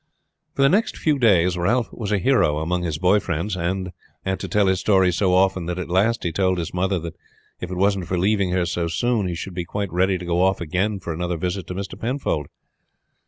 For the next few days Ralph was a hero among his boy friends, and had to tell his story so often that at last he told his mother that if it wasn't for leaving her so soon he should be quite ready to go off again for another visit to Mr. Penfold.